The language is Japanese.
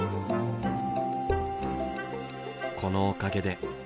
このおかげで。